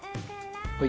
はい。